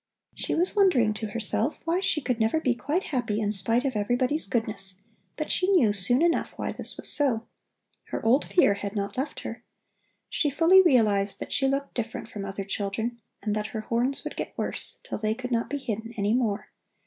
She was wondering to herself why she could never be quite happy in spite of everybody's goodness, but she knew soon enough why this was so. Her old fear had not left her. She fully realized that she looked different from other children and that her horns would get worse, till they could not be hidden any more.